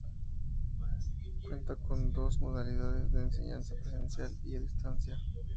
Cuenta con dos modalidades de enseñanza, presencial y a distancia.